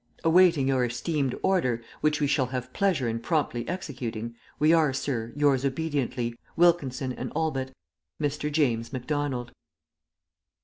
Awaiting your esteemed order, which we shall have pleasure in promptly executing, We are, sir, Yours obediently, WILKINSON and ALLBUTT. MR. JAMES MACDONALD."